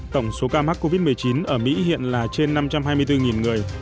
tổng số ca mắc covid một mươi chín ở mỹ hiện là trên năm trăm hai mươi bốn người